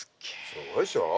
すごいでしょ。